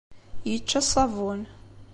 Yečča ṣṣabun.